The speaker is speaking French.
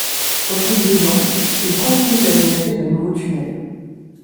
Au fil des ans, il continue d’aménager de nouveaux tunnels.